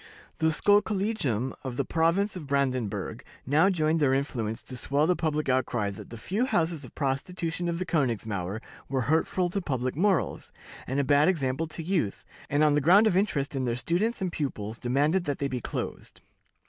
The Schulkollegium of the province of Brandenburg now joined their influence to swell the public outcry that the few houses of prostitution on the Königsmauer were hurtful to public morals, and a bad example to youth, and, on the ground of interest in their students and pupils, demanded that they be closed.